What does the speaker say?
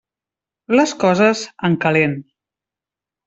Les coses, en calent.